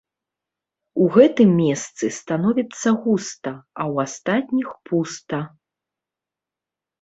У гэтым месцы становіцца густа, а ў астатніх пуста.